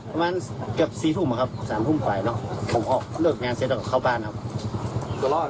ประมาณเกือบ๔ทุ่มครับ๓ทุ่มไปแล้วผมเลิกงานเสร็จแล้วก็เข้าบ้านครับ